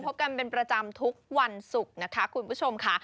พบกันเป็นประจำทุกวันศุกร์นะคะคุณผู้ชมค่ะ